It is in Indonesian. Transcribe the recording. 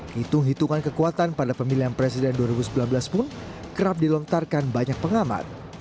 hitung hitungan kekuatan pada pemilihan presiden dua ribu sembilan belas pun kerap dilontarkan banyak pengamat